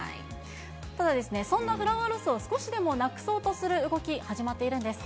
ただ、そんなフラワーロスを少しでもなくそうとする動き、始まっているんです。